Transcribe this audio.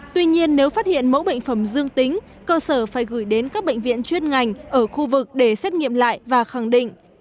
tuy nhiên nếu phát hiện mẫu bệnh phẩm dương tính cơ sở phải gửi đến các bệnh viện chuyên ngành ở khu vực để xét nghiệm lại và khẳng định